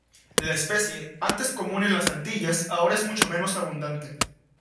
La especie, antes común en las Antillas, ahora es mucho menos abundante.